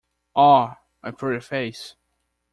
Oh, my pretty face!